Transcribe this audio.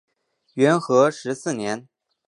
元和十四年。